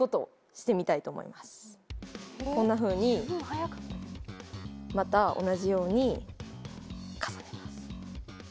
こんなふうにまた同じように重ねます。